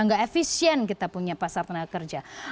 nggak efisien kita punya pasar tenaga kerja